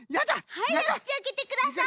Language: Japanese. はいおくちあけてください。